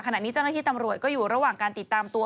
ขณะนี้เจ้าหน้าที่ตำรวจก็อยู่ระหว่างการติดตามตัว